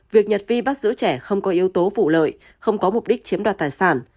việc nhật vi bắt giữ trẻ không có yếu tố vụ lợi không có mục đích chiếm đoạt tài sản